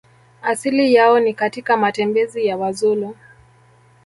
Asili yao ni katika matembezi ya Wazulu